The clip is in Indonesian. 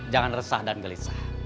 jangan resah dan gelisah